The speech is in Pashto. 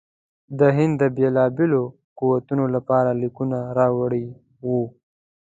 د هند د بېلو بېلو قوتونو لپاره لیکونه راوړي وه.